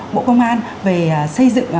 bộ công an về xây dựng